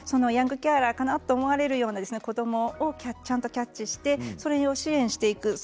ヤングケアラーかなと思われる子どもをちゃんとキャッチしてそれを支援していく。